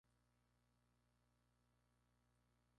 Donati murió de peste.